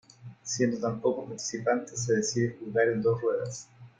Siendo tan pocos participantes, se decide jugar en dos ruedas.